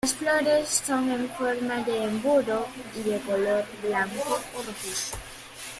Las flores son en forma de embudo y de color blanco o rojizo.